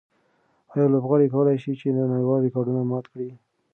آیا لوبغاړي کولای شي چې نړیوال ریکارډونه مات کړي؟